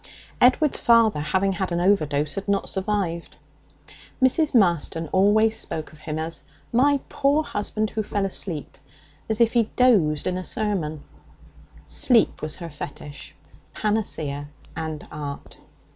Edward's father, having had an overdose, had not survived. Mrs. Marston always spoke of him as 'my poor husband who fell asleep,' as if he had dozed in a sermon. Sleep was her fetish, panacea and art.